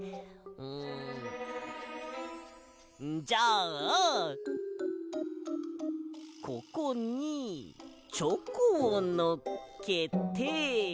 うんじゃあここにチョコをのっけて。